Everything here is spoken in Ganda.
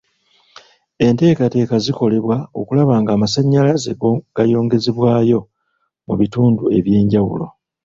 Enteekateeka zikolebwa okulaba ng'amasannyalaze gayongezebwayo mu bitundu eby'enjawulo.